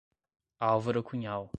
Álvaro Cunhal